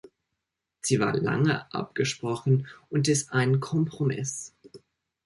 Sie war lange abgesprochen und ist ein Kompromiss.